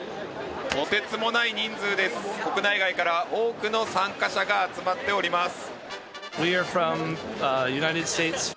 とてつもない人数です、国内外から多くの参加者が集まっております。